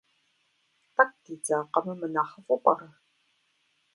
ТӀэкӀу дедзакъэмэ мынэхъыфӀу пӀэрэ?